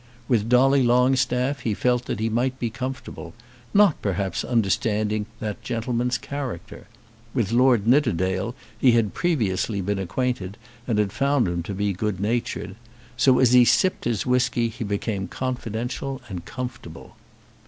With Dolly Longstaff he felt that he might be comfortable, not, perhaps, understanding that gentleman's character. With Lord Nidderdale he had previously been acquainted, and had found him to be good natured. So, as he sipped his whisky, he became confidential and comfortable.